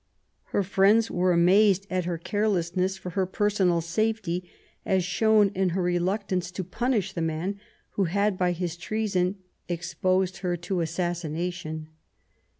Her friends were amazed at her carelessness for her personal safety, as shown in her reluctance to punish the man who had by his treason exposed her to as sassination.